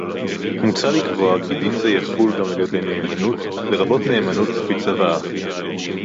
מוצע לקבוע כי דין זה יחול גם לגבי נאמנות לרבות נאמנות לפי צוואה